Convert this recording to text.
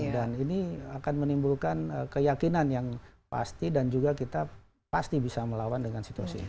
dan ini akan menimbulkan keyakinan yang pasti dan juga kita pasti bisa melawan dengan situasi ini